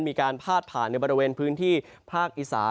มีการพาดผ่านในบริเวณพื้นที่ภาคอีสา